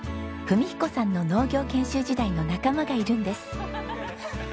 文彦さんの農業研修時代の仲間がいるんです。